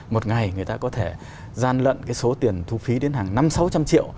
một ngày người ta có thể gian lận cái số tiền thu phí đến hàng năm trăm linh sáu trăm linh triệu